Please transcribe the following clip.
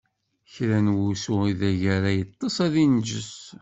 Kra n wusu ideg ara yeṭṭeṣ, ad inǧes.